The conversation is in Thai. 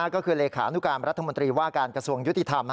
ก็คือเลขานุการรัฐมนตรีว่าการกระทรวงยุติธรรม